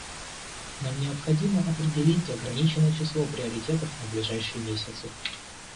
Нам необходимо определить ограниченное число приоритетов на ближайшие месяцы.